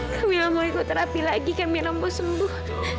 kamu mau ikut terapi lagi kami mampu sembuh